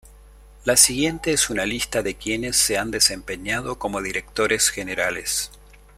La siguiente es una lista de quienes se han desempeñado como directores generales.